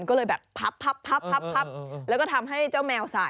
ก็เลยแบบพับพับแล้วก็ทำให้เจ้าแมวสาย